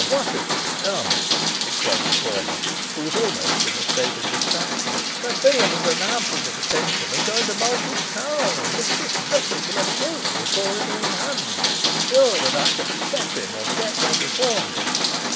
"What is to be done?" exclaimed the former, who was almost in a state of distraction. "The villain has announced his intention of going to Malkin Tower, and Mistress Nutter will assuredly fall into his hands. Oh! that I could stop him, or get there before him!"